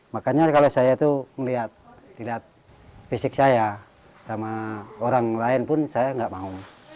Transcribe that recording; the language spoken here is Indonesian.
makanya kalau saya itu melihat fisik saya sama orang lain pun saya nggak mau